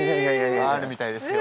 あるみたいですよ。